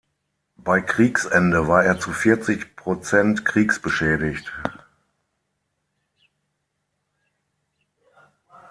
Bei Kriegsende war er zu vierzig Prozent kriegsbeschädigt.